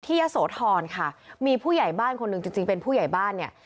ยะโสธรค่ะมีผู้ใหญ่บ้านคนหนึ่งจริงเป็นผู้ใหญ่บ้านเนี่ย